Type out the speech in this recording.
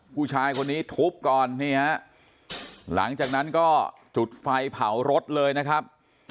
ผู้ชายคนนี้ทุบก่อนนี่ฮะหลังจากนั้นก็จุดไฟเผารถเลยนะครับ